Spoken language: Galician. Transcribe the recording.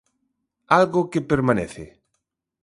Algo que permanece.